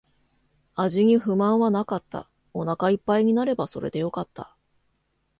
味に不満はなかった。お腹一杯になればそれでよかった。